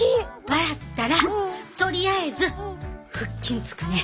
笑ったらとりあえず腹筋つくね。